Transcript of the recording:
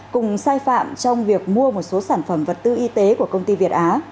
cùng sai phạm trong việc mua một số sản phẩm vật tư y tế của công ty việt á